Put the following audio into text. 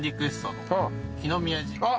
あっ！